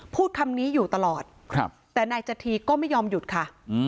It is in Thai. พูดคำนี้อยู่ตลอดแต่นายจธีก็ไม่ยอมหยุดค่ะ